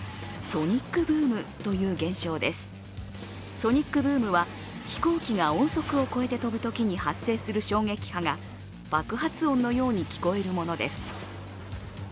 ソニックブームは飛行機が音速を超えて飛ぶときに発生する衝撃波が爆発音のように聞こえるものです。